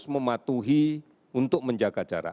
kepadanya yaitu dengan cepat jaringan